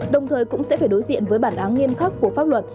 đồng thời cũng sẽ phải đối diện với bản án nghiêm khắc của pháp luật